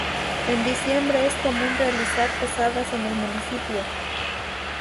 En diciembre es común realizar posadas en el municipio.